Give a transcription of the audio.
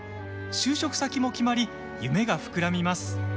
就職先も決まり夢が膨らみます。